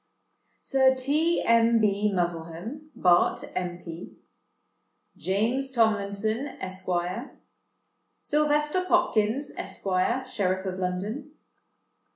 "Sir T. M. B. Muzzlehem, Bart., M.P. "James Tomlinson, Esq. "Sylvester Popkins, Esq., Sheriff of London.